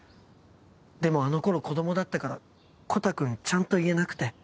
でもあの頃子供だったからコタくんちゃんと言えなくて。